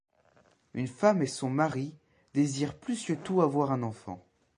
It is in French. Une femme et son mari désirent plus que tout avoir un enfant.